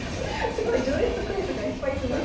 すごい序列クイズがいっぱい続いてる。